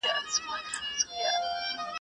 چي سپارې مي د هغه ظالم دُرې ته.